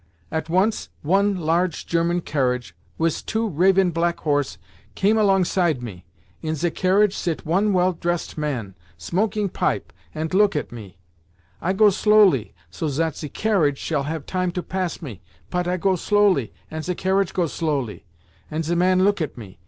At once one large German carriage, wis two raven black horse, came alongside me. In ze carriage sit one well tresset man, smoking pipe, ant look at me. I go slowly, so zat ze carriage shall have time to pass me, pot I go slowly, ant ze carriage go slowly, ant ze man look at me.